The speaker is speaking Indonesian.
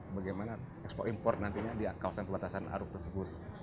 bagaimana ekspor impor nantinya di kawasan perbatasan aruk tersebut